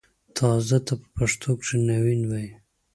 تازه ته په پښتو کښې نوين وايي